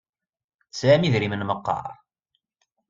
Tesɛam idrimen meqqar?